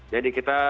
jadi kita sedangkan